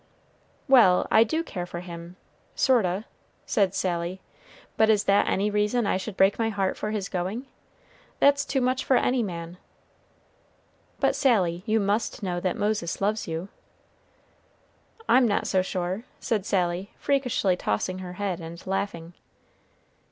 "Well, I do care for him, 'sort o','" said Sally; "but is that any reason I should break my heart for his going? that's too much for any man." "But, Sally, you must know that Moses loves you." "I'm not so sure," said Sally, freakishly tossing her head and laughing.